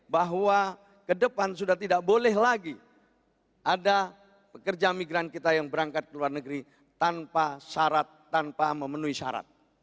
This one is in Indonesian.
bahwa ke depan sudah tidak boleh lagi ada pekerja migran kita yang berangkat ke luar negeri tanpa syarat tanpa memenuhi syarat